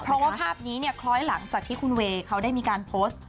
เพราะว่าภาพนี้เนี่ยคล้อยหลังจากที่คุณเวย์เขาได้มีการโพสต์